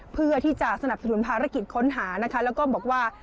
เพื่อที่จะสนับสนุนภารกิจค้นหานะคะแล้วก็บอกว่า